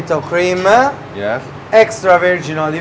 สงบใกล้ใจ